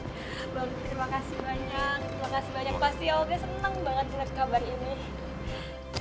terima kasih banyak pasti olga senang banget mendapat kabar ini